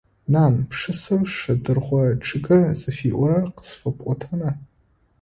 Нан! Пшысэу «Шэдыргъо чъыгыр» зыфиӀорэр къысфэпӀотэна?